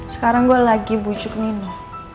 sekarang gue lagi bujuk ninuh